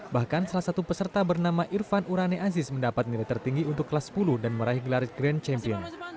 bahkan salah satu peserta bernama irfan urane aziz mendapat nilai tertinggi untuk kelas sepuluh dan meraih gelar grand champions